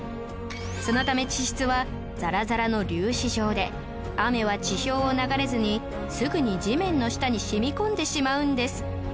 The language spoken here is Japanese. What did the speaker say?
そのため地質はざらざらの粒子状で雨は地表を流れずにすぐに地面の下に染み込んでしまうんです